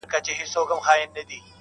که دې د سترگو له سکروټو نه فناه واخلمه~